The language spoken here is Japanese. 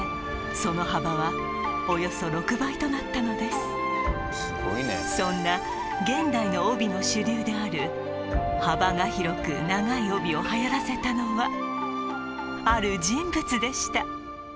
その幅はおよそ６倍となったのですそんな現代の帯の主流である幅が広く長い帯をはやらせたのはある人物でした